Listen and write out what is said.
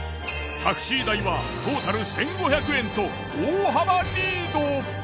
タクシー代はトータル１，５００円と大幅リード！